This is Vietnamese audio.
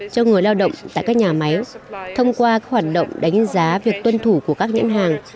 cho người lao động tại các nhà máy thông qua hoạt động đánh giá việc tuân thủ của các nhãn hàng